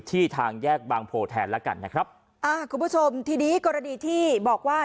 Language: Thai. ทางแยกบางโพแทนแล้วกันนะครับอ่าคุณผู้ชมทีนี้กรณีที่บอกว่า